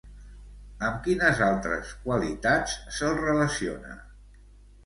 Amb quines altres qualitats se'l relaciona?